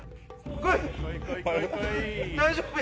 大丈夫や。